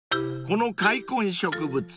［この塊根植物